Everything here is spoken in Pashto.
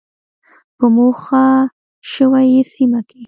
په موخه شوې چې سیمه کې